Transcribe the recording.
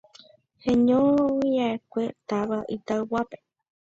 heñoi'akue táva Itauguápe